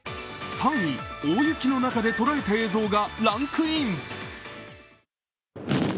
３位、大雪の中で捉えた映像がランクイン。